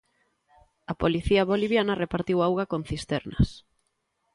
A policía boliviana repartiu auga con cisternas.